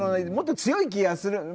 もっと強い気がする。